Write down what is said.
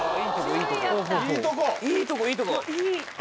いいとこいいとこ。